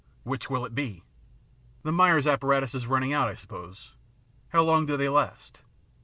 Which will it be? The Myers apparatus is running out, I suppose. How long do they last